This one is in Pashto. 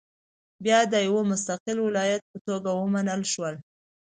بیا د یو مستقل ولایت په توګه ومنل شول.